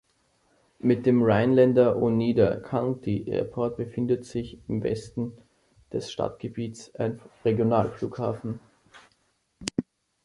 Mit dem Rhinelander–Oneida County Airport befindet sich im Westen des Stadtgebiets ein Regionalflughafen.